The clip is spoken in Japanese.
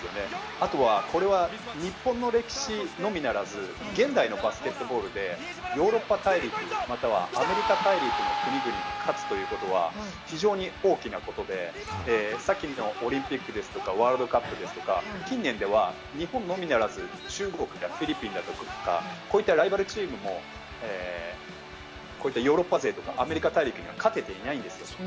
あとは日本の歴史のみならず、現代のバスケットボールでヨーロッパ大陸、またはアメリカ大陸の国々に勝つということは非常に大きなことで、さきのオリンピックですとか、ワールドカップですとか、近年では日本のみならず、中国やフィリピンなど、こういったライバルチームもヨーロッパ勢とかアメリカ大陸に勝ててないんですよ。